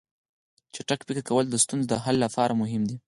چټک فکر کول د ستونزو د حل لپاره مهم دي.